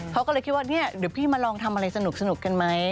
เขาก็เลยคิดว่าเนี่ยเดี๋ยวพี่มาลองทำอะไรสนุกกันไหม